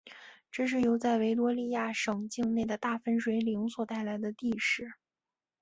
这是由在维多利亚省境内的大分水岭所带来的地势。